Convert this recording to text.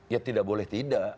ya tidak boleh tidak